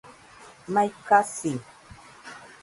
Mai kasi